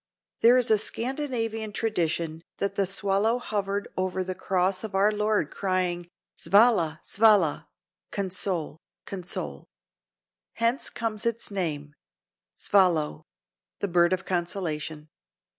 There is a Scandinavian tradition that the swallow hovered over the cross of our Lord crying "Svala! Svala!" (Console, console). Hence comes its name, "svalow"—the bird of consolation.